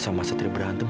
sama satria berantem